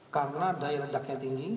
karena daya redaknya tinggi